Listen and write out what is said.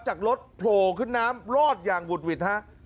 จากรถโผล่ขึ้นน้ำรอดอย่างหุดหวิดฮะ